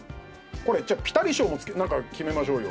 これじゃあピタリ賞もなんか決めましょうよ